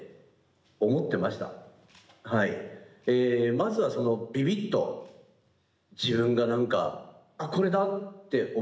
まずはそのビビッと自分が何かあっこれだって思う